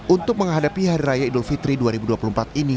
untuk menghadapi hari raya idul fitri dua ribu dua puluh empat ini